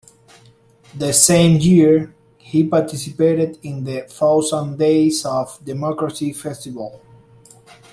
The same year, he participated in the Thousand Days of Democracy festival.